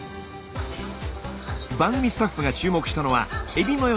番組スタッフが注目したのはえびまよ